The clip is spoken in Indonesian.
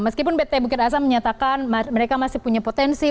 meskipun pt bukit asa menyatakan mereka masih punya potensi